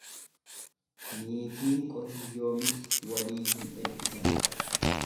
Niitiin qotiyyoo miti walii hin ergisan.